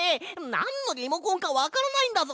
なんのリモコンかわからないんだぞ！